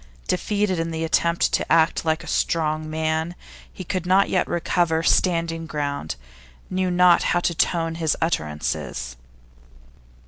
Defeated in the attempt to act like a strong man, he could not yet recover standing ground, knew not how to tone his utterances.